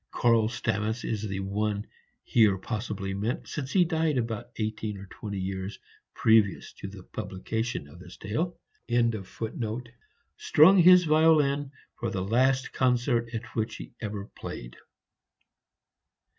Karl Stamitz is the one here possibly meant, since he died about eighteen or twenty years previous to the publication of this tale.] strung his violin for the last concert at which he ever played."